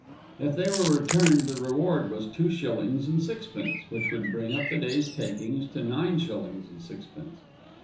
If they were returned the reward was two shillings and sixpence, which would bring up the day's takings to nine shillings and sixpence.